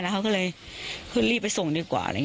แล้วเขาก็เลยรีบไปส่งดีกว่า